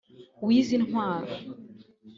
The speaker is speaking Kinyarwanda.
w’izi ntwaro